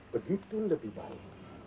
begitu lebih baik